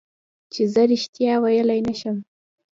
چې زه رښتیا ویلی نه شم.